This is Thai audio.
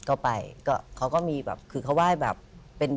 ก็ไปเขาก็มีแบบคือเขาไหว้แบบ